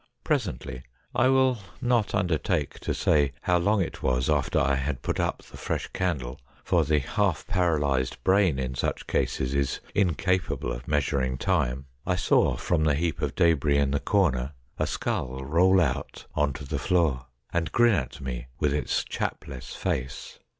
Presently — I will not undertake to say how long it was after I had put up the fresh candle, for the half paralysed brain in such cases is incapable of measuring time — I saw from the heap of debris in the corner a skull roll out on to the floor, and grin at me with its chapless face.